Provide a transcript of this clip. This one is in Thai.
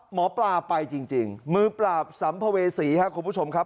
หมอปลาไปจริงมือปราบสัมภเวษีครับคุณผู้ชมครับ